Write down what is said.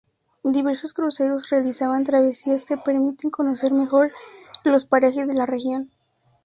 Diversos cruceros realizan travesías que permiten conocer mejor los parajes de la región.